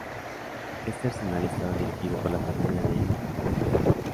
Este arsenal estaba dirigido por la familia de Eli Whitney.